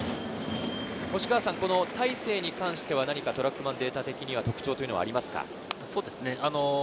大勢に関しては何かトラックマンデータ的に特徴はありますか？